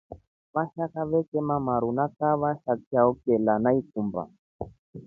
Vashaka vetema maru na kahava sha chao chelya na ikumba.